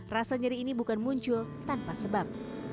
rasa nyeri ini bukan muncul tanpa sebab